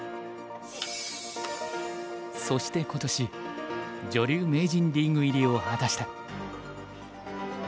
そして今年女流名人リーグ入りを果たした。